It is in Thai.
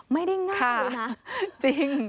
ไม่ได้ง่ายเลยนะจริง